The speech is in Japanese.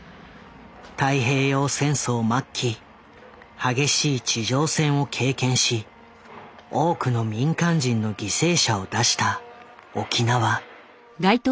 太平洋戦争末期激しい地上戦を経験し多くの民間人の犠牲者を出した沖縄。